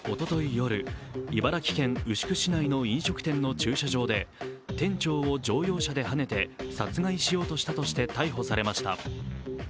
夜茨城県牛久市内の飲食店の駐車場で店長を乗用車ではねて殺害しようとしたとして逮捕されました。